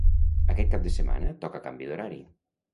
Aquest cap de setmana toca canvi d’horari.